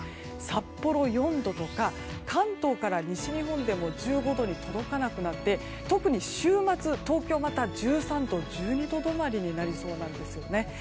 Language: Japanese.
札幌、４度とか関東から西日本でも１５度に届かなくなって特に週末、東京はまた１３度、１２度止まりになりそうなんですよね。